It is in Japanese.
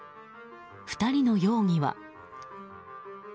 ２人の容疑は。